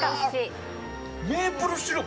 メープルシロップ